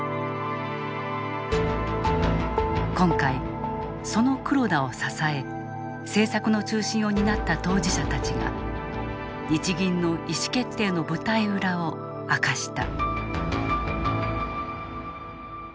今回、その黒田を支え政策の中心を担った当事者たちが日銀の意志決定の舞台裏を明かした。